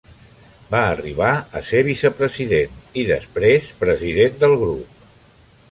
Va arribar a ser vicepresident i després president del grup.